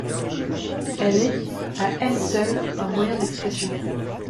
Elle est, à elle seule, un moyen d'expression.